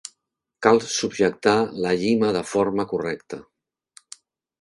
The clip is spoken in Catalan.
Cal subjectar la llima de forma correcta.